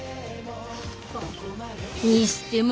にしても